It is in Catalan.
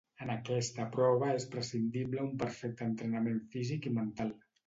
En aquesta prova és prescindible un perfecte entrenament físic i mental.